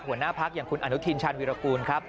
หัวหน้าพักอย่างคุณอนุทินชาญวิรากูลครับ